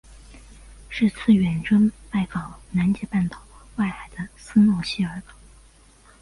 是次远征拜访了南极半岛外海的斯诺希尔岛。